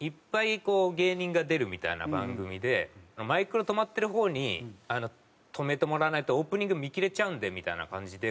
こう芸人が出るみたいな番組で「マイクロ止まってる方に止めてもらわないとオープニング見切れちゃうんで」みたいな感じで。